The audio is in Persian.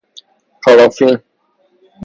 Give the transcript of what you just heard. پارافین